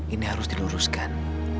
ini harus diluruskan